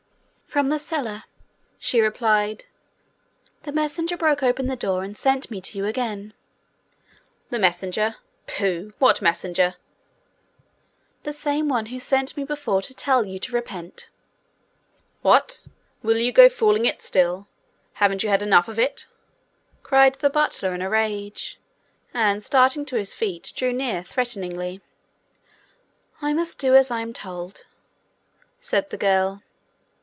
'From the cellar,' she replied. 'The messenger broke open the door, and sent me to you again.' 'The messenger! Pooh! What messenger?' 'The same who sent me before to tell you to repent.' 'What! Will you go fooling it still? Haven't you had enough of it?' cried the butler in a rage, and starting to his feet, drew near threateningly. 'I must do as I am told,' said the girl.